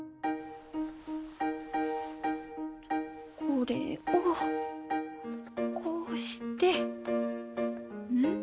これをこうしてうん？